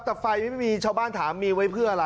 แต่ไฟไม่มีชาวบ้านถามมีไว้เพื่ออะไร